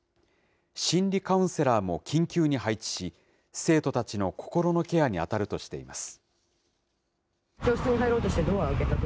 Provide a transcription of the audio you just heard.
心理カウンセラーも緊急に配置し、生徒たちの心のケアに当たるとしています。